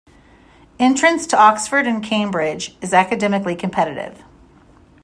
Entrance to Oxford and Cambridge is academically competitive.